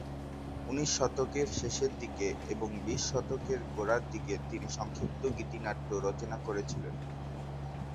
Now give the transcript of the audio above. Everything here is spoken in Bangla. উনিশ শতকের শেষের দিকে এবং বিশ শতকের গোড়ার দিকে তিনি সংক্ষিপ্ত গীতিনাট্য রচনা করেছিলেন।